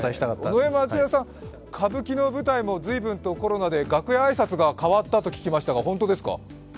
尾上松也さん、歌舞伎の舞台も、随分とコロナで楽屋挨拶が変わったと聞きましたが、本当ですか。